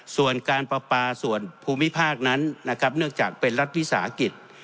ส่วนการประปาส่วนภูมิภาคนั้นนะครับเนื่องจากเป็นรัฐวิสาหกิจ